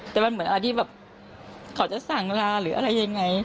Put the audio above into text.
แต่มันเหมือนอะไรที่แบบเขาจะสั่งลาหรืออะไรยังไง